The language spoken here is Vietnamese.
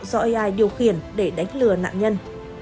do ai điều khiển để đánh lừa nạn nhân